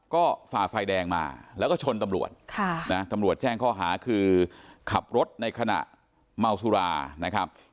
ก็ฝ่าไฟแดงมาแล้วก็ชนตำรวจตำรวจแจ้งข้อหาคือขับรถในขณะเมาสุรานะครับ